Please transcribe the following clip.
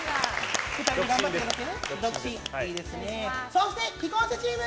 そして既婚者チーム。